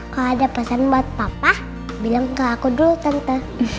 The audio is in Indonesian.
kalau ada pesan buat papa bilang ke aku dulu tante